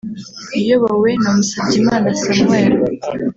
iyobowe na Musabyimana Samuel